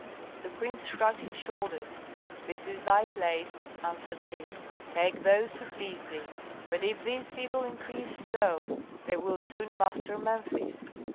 The prince shrugged his shoulders. "This is thy place," answered he; "take those who please thee. But if these people increase so, they will soon master Memphis."